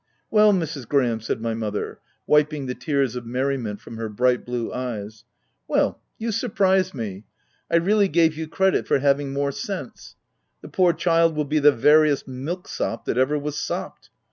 "Well, Mrs. Graham,?' said my mother, wiping the tears of merriment from her bright blue eyes —" well, you surprise me ! I really gave you credit for having more sense — The poor child will be the veriest milksop that ever was sopped